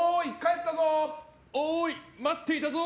おーい、待っていたぞ！